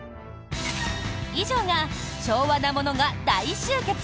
以上が、昭和なものが大集結！